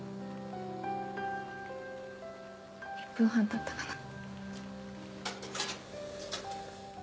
１分半たったかな。